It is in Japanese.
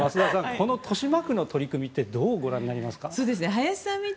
この豊島区の取り組みどうご覧になりますか？